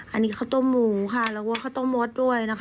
อันนี้ข้าวต้มหมูค่ะแล้วก็ข้าวต้มมดด้วยนะคะ